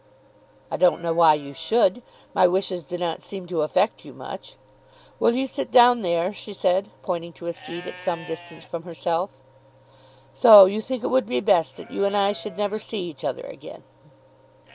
"I don't know why you should. My wishes do not seem to affect you much. Will you sit down there," she said, pointing to a seat at some distance from herself. "So you think it would be best that you and I should never see each other again?"